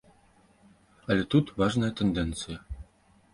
Але тут важная тэндэнцыя.